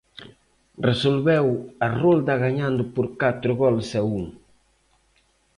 Resolveu a rolda gañando por catro goles a un.